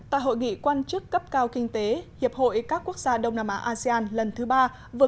tại hội nghị quan chức cấp cao kinh tế hiệp hội các quốc gia đông nam á asean lần thứ ba vừa